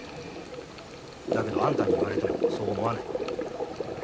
だけどあんたに言われてもそう思わない。